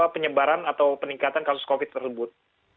penyebaran atau peningkatan kasus covid tersebut